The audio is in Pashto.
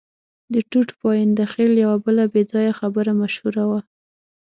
د ټوټ پاینده خېل یوه بله بې ځایه خبره مشهوره وه.